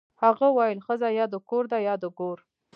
هغه ویل ښځه یا د کور ده یا د ګور